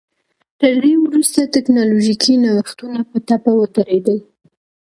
تر دې وروسته ټکنالوژیکي نوښتونه په ټپه ودرېدل